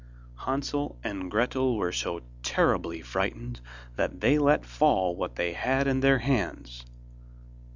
Hansel and Gretel were so terribly frightened that they let fall what they had in their hands.